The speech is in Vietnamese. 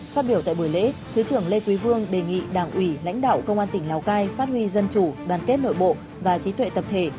phát biểu tại buổi lễ thứ trưởng lê quý vương đề nghị đảng ủy lãnh đạo công an tỉnh lào cai phát huy dân chủ đoàn kết nội bộ và trí tuệ tập thể